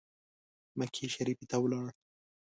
مکې شریفي ته ولاړ.